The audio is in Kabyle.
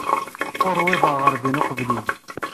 Ur uwiḍeɣ ɣer din uqbel-im.